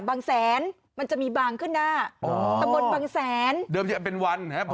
บางแสนมันจะมีบางขึ้นหน้าอ๋อตะบนบางแสนเดิมจะเป็นวันครับ